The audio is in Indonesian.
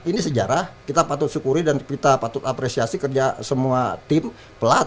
ini sejarah kita patut syukuri dan kita patut apresiasi kerja semua tim pelatih pemain dan perempuan kita